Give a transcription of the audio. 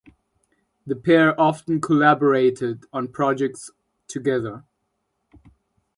The pair often collaborated on projects together.